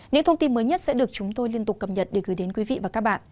những thông tin mới nhất sẽ được chúng tôi liên tục cập nhật để gửi đến quý vị và các bạn